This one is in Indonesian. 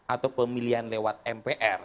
atau pemilihan lewat mpr